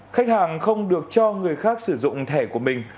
khách hàng không được cho người khác sử dụng thẻ của mình